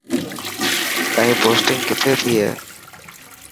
تائين پوسٽنگ ڪٿي ٿي هي.